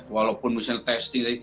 walaupun misalnya testing